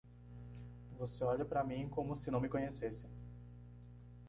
Você olha para mim como se não me conhecesse.